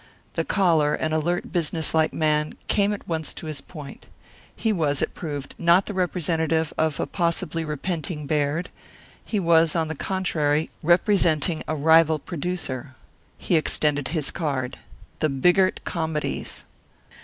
The caller, an alert, businesslike man, came at once to his point. He was, it proved, not the representative of a possibly repenting Baird. He was, on the contrary, representing a rival producer. He extended his card The Bigart Comedies.